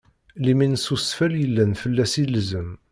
Limin s usfel yellan fell-as ilzem.